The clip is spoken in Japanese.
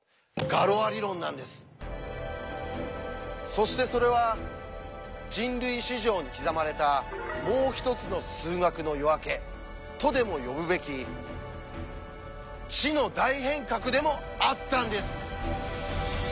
そしてそれは人類史上に刻まれた「もう一つの数学の夜明け」とでも呼ぶべき「知の大変革」でもあったんです。